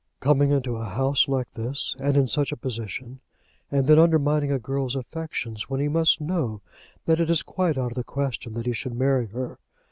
"Coming into a house like this, and in such a position, and then undermining a girl's affections, when he must know that it is quite out of the question that he should marry her!